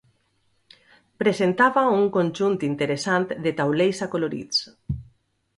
Presentava un conjunt interessant de taulells acolorits.